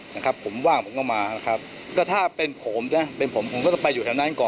นะครับผมว่างผมก็มานะครับก็ถ้าเป็นผมนะเป็นผมผมก็ต้องไปอยู่แถวนั้นก่อน